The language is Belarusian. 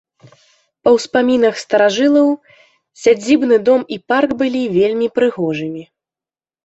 Па ўспамінах старажылаў сядзібны дом і парк былі вельмі прыгожымі.